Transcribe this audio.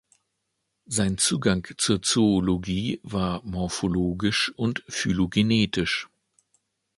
Sein Zugang zur Zoologie war morphologisch und phylogenetisch.